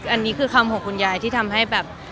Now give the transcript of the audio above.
อันนี้คือคำของคุณยายที่ทำให้แบบ